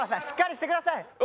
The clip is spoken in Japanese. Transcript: しっかりしてください。